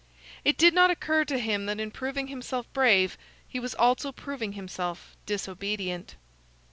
It did not occur to him that in proving himself brave, he was also proving himself disobedient.